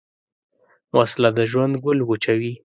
وسله د ژوند ګل وچوي